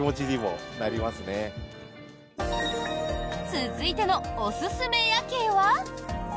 続いてのおすすめ夜景は。